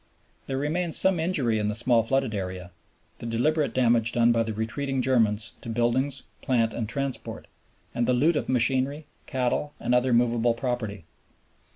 There remains some injury in the small flooded area, the deliberate damage done by the retreating Germans to buildings, plant, and transport, and the loot of machinery, cattle, and other movable property.